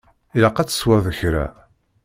Ilaq ad tesweḍ kra.